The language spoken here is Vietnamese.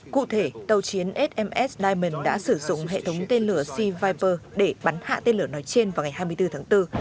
cụ thể tàu chiến fns diamond đã sử dụng hệ thống tên lửa sea viper để bắn hạ tên lửa nói trên vào ngày hai mươi bốn tháng bốn